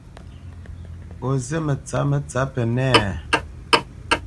O zí mətsǎpmə tsǎp Pənɛ́a a ?